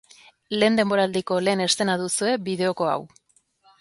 Lehen denboraldiko lehen eszena duzue bideoko hau.